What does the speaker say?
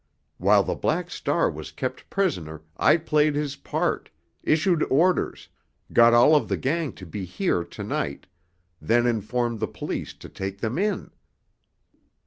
While the Black Star was kept prisoner I played his part, issued orders, got all of the gang to be here to night, then informed the police to take them in."